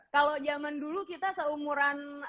kalau zaman dulu kita seumuran